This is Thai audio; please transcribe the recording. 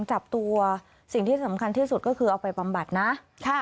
จับตัวสิ่งที่สำคัญที่สุดก็คือเอาไปบำบัดนะค่ะ